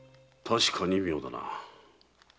確かに妙だな。